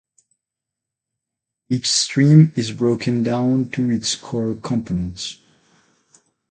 Each stream is broken down to its core components.